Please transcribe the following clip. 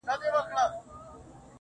که تاسي د ترافیکو قوانین ماتوئ